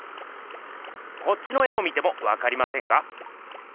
こっちの絵を見てもわかりませんか？